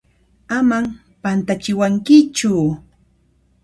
Aman pantachiwankichu!